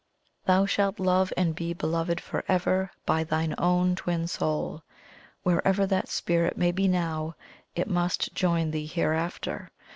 Thou shalt love and be beloved for ever by thine own Twin Soul; wherever that spirit may be now, it must join thee hereafter.